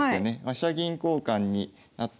飛車銀交換になって。